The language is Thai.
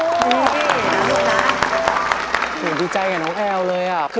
พี่แม่นี่คุณดีใจกับน้องแอ้วเลยอ่ะ